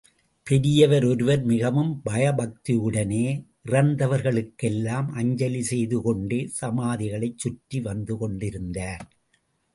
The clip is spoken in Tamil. பெரியவர் ஒருவர் மிகவும் பயபக்தியுடனே இறந்தவர்களுக்கெல்லாம் அஞ்சலி செய்து கொண்டே சமாதிகளைச் சுற்றி வந்துகொண்டிருந்தார்.